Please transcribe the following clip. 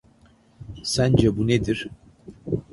Sence bu nedir?